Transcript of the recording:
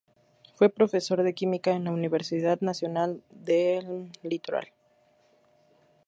Fue profesor de química en la Universidad Nacional del Litoral.